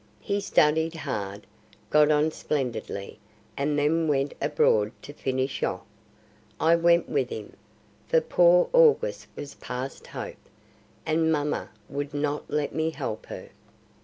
He studied hard, got on splendidly, and then went abroad to finish off. I went with him; for poor August was past hope, and mamma would not let me help her.